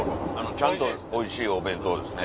ちゃんとおいしいお弁当ですね。